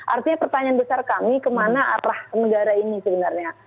artinya pertanyaan besar kami kemana arah negara ini sebenarnya